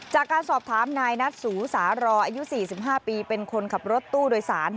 จากการสอบถามนายนัทสูสารออายุ๔๕ปีเป็นคนขับรถตู้โดยสาร